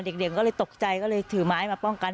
เด็กก็เลยตกใจก็เลยถือไม้มาป้องกัน